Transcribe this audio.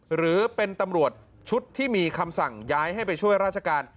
หรือเป็นตำรวจชุดที่มีคำสั่งย้ายให้ไปช่วยราชการ